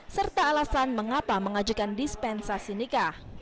serta alasan mengapa mengajukan dispensa sinikah